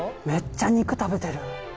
めっちゃ肉食べてる。